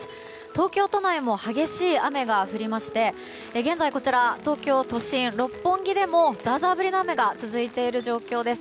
東京都内も激しい雨が降りまして現在、東京都心六本木でもザーザー降りの雨が続いている状況です。